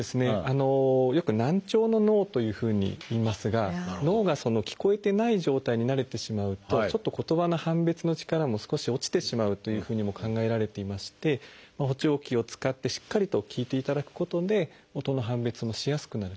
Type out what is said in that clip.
よく「難聴の脳」というふうにいいますが脳が聞こえてない状態に慣れてしまうとちょっと言葉の判別の力も少し落ちてしまうというふうにも考えられていまして補聴器を使ってしっかりと聞いていただくことで音の判別もしやすくなると。